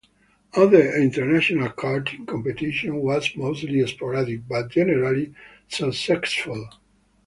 Other international karting competition was mostly sporadic but generally successful.